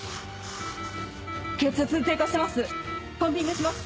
血圧低下してます！